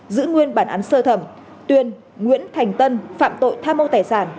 giữ nguyên bản án sơ thẩm tuyên nguyễn thành tân phạm tội tham mâu tài sản